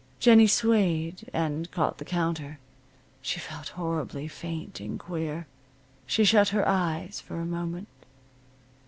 Jennie swayed, and caught the counter. She felt horribly faint and queer. She shut her eyes for a moment.